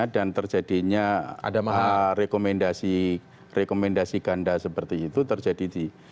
dan terjadinya rekomendasi ganda seperti itu terjadi di